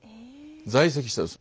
在籍してたんです。